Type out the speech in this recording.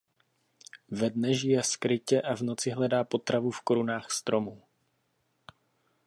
Ve dne žije skrytě a v noci hledá potravu v korunách stromů.